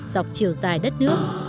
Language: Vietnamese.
dọc chiều dài đất nước